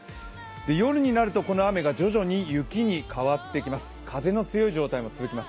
夜になるとこの雨が徐々に雪に変わっていきます。